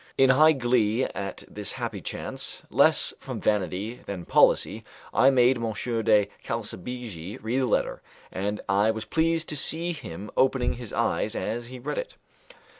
In high glee at this happy chance, less from vanity than policy I made M. de Calsabigi read the letter, and I was pleased to see him opening his eyes as he read it.